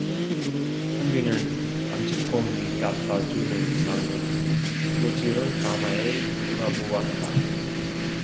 선비는 남직공이 갖다 주는 삶은 고치를 가마에 들어부었다.